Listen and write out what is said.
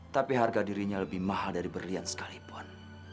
tapi harga dirinya lebih mahal dari berlian sekalipun